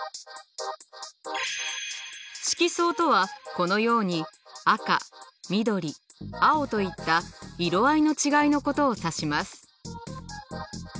色相とはこのように赤緑青といった色合いの違いのことを指します。